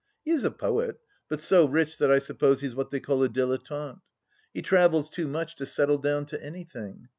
He is a poet, but so rich that I suppose he's what they call a dilettante. He travels too much to settle down to anything.